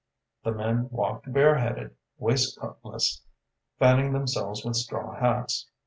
The men walked bareheaded, waistcoatless, fanning themselves with straw hats.